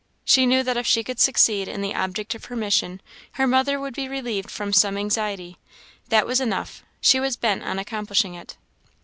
She knew that if she could succeed in the object of her mission, her mother would be relieved from some anxiety; that was enough; she was bent on accomplishing it.